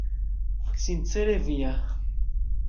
Sincere via.